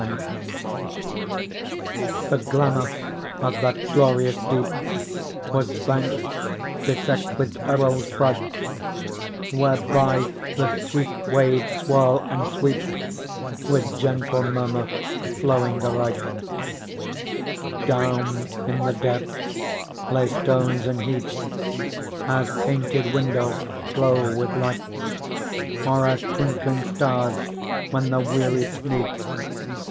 Digitized by Google PEARL The glamour of that glorious deep Was banks beset with beryls bright, Whereby the sweet waves swirl and sweep, With gentle murmur flowing aright ; Down in the depths lay stones an heap, As painted windows glow with light. Or as twinkling stars, when the weary sleep.